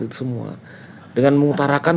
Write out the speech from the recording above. itu semua dengan mengutarakan